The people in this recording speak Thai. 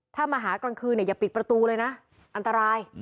ถ้ามาหากลางคืนเนี่ยอย่าปิดประตูเลยนะอันตราย